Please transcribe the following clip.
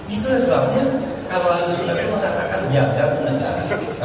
itu yang sebabnya kalau harus benar benar mengatakan jabatan negara